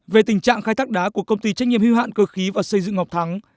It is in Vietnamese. về tình trạng khai thác đá của công ty trách nhiệm hưu hạn cơ khí và xây dựng ngọc thắng